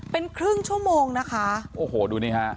เป็นครึ่งชั่วโมงนะคะโอ้โหดูนี่ฮะ